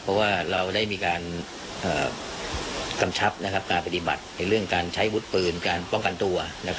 เพราะว่าเราได้มีการกำชับการปฏิบัติในเรื่องการใช้วุฒิปืนการป้องกันตัว